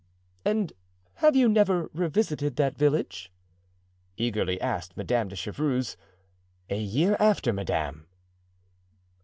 "And have you never revisited that village?" eagerly asked Madame de Chevreuse. "A year after, madame."